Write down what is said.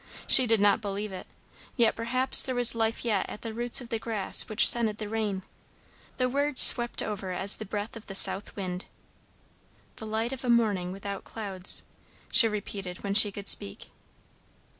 She did not believe it; yet perhaps there was life yet at the roots of the grass which scented the rain. The words swept over as the breath of the south wind. "'The light of a morning without clouds'" she repeated when she could speak.